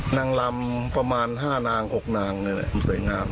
นางลำประมาณ๕นาง๖นางสวยงาม